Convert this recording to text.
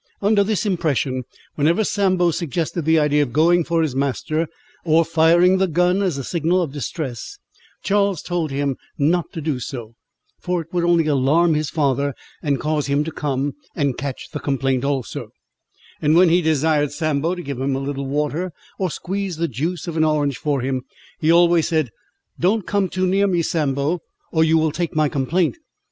Under this impression, whenever Sambo suggested the idea of going for his master, or firing the gun as a signal of distress, Charles told him not to do so, for it would only alarm his father, and cause him to come, and catch the complaint also; and when he desired Sambo to give him a little water, or squeeze the juice of an orange for him, he always said "Don't come too near me, Sambo, or you will take my complaint."